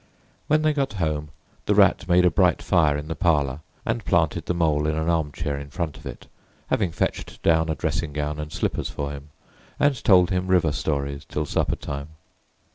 When they got home, the Rat made a bright fire in the parlour, and planted the Mole in an arm chair in front of it, having fetched down a dressing gown and slippers for him, and told him river stories till supper time.